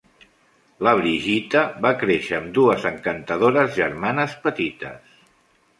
La Brigitta va créixer amb dues encantadores germanes petites.